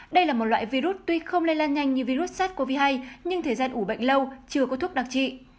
đây là một loại virus tuy không lây lan nhanh như virus sars cov hai nhưng thời gian ủ bệnh lâu chưa có thuốc đặc trị